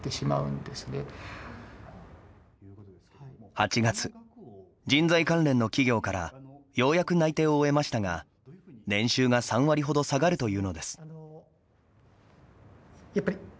８月、人材関連の企業からようやく内定を得ましたが年収が３割ほど下がるというのです。